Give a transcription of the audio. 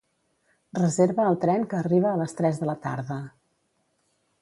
Reserva el tren que arriba a les tres de la tarda.